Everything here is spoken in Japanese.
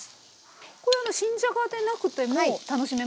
これあの新じゃがでなくても楽しめますか？